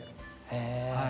へえ。